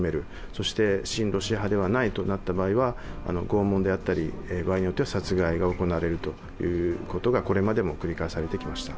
そして親ロシア派ではないとなった場合は拷問であったり、場合によっては殺害が行われるということが、これまでも繰り返されていました。